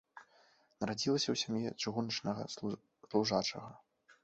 Нарадзілася ў сям'і чыгуначнага служачага.